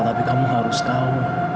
tapi kamu harus tahu